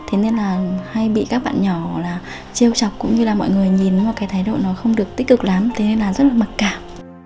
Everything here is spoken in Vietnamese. thế nên là hay bị các bạn nhỏ là treo chọc cũng như là mọi người nhìn vào cái thái độ nó không được tích cực lắm thế nên là rất là mặc cảm